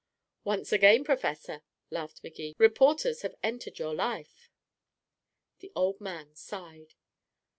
"Once again, Professor," laughed Magee, "reporters have entered your life." The old man sighed.